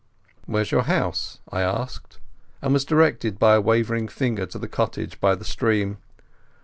"Where's your house?" I asked, and was directed by a wavering finger to the cottage by the stream.